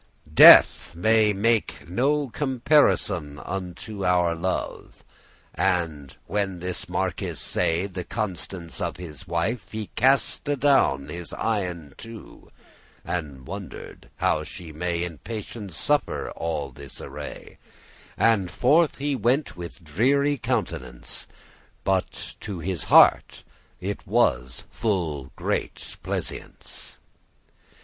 "Death may not make no comparisoun Unto your love." And when this marquis say* *saw The constance of his wife, he cast adown His eyen two, and wonder'd how she may In patience suffer all this array; And forth he went with dreary countenance; But to his heart it was full great pleasance.